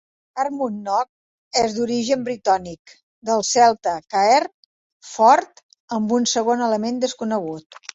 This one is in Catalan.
Carmunnock és d'origen britònic, del celta "caer", "fort", amb un segon element desconegut.